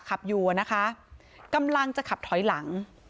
ขับอยู่อะนะคะกำลังจะขับถอยหลัง